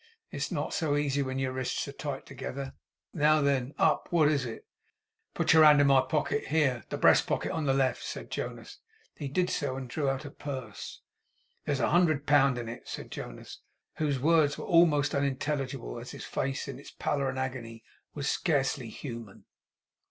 'It's not so easy when your wrists are tight together. Now then! Up! What is it?' 'Put your hand in my pocket. Here! The breast pocket, on the left!' said Jonas. He did so; and drew out a purse. 'There's a hundred pound in it,' said Jonas, whose words were almost unintelligible; as his face, in its pallor and agony, was scarcely human.